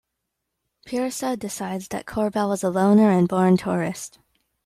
Peerssa decides that Corbell is a loner and born tourist.